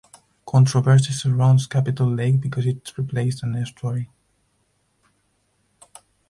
Controversy surrounds Capitol Lake because it replaced an estuary.